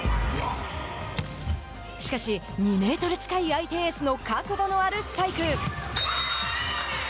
しかし、２メートル近い相手エースの角度のあるスパイク。